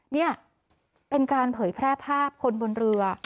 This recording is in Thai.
นี่เป็นการเผยแพร่ภาพคนบนเรือ